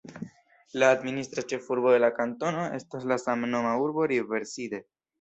La administra ĉefurbo de la kantono estas la samnoma urbo Riverside.